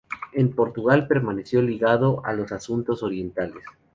En Portugal permaneció ligado a los asuntos orientales.